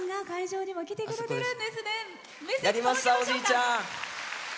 やりました、おじいちゃん！